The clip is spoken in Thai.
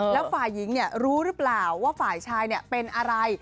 แล้วฝ่ายหญิงรู้หรือเปล่าว่าฝ่ายชายเป็นอะไร